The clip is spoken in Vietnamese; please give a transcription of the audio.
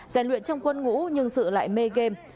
rèn luyện trong quân ngũ nhưng sự lại mê game